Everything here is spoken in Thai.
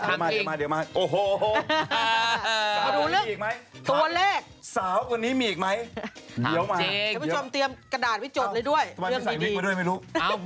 ทำไมไม่ใส่วิกมาด้วยไม่รู้